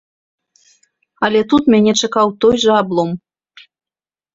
Але тут мяне чакаў той жа аблом.